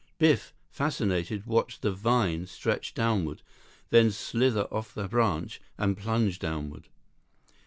Biff, fascinated, watched the "vine" stretch downward, then slither off the branch and plunge downward.